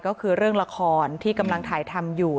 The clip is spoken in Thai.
ก็คือเรื่องละครที่กำลังถ่ายทำอยู่